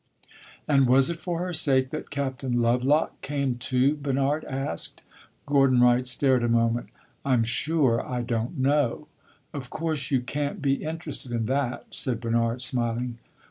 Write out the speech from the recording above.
"And was it for her sake that Captain Lovelock came, too?" Bernard asked. Gordon Wright stared a moment. "I 'm sure I don't know!" "Of course you can't be interested in that," said Bernard smiling.